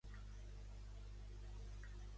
Quina incidència van tenir en Susana?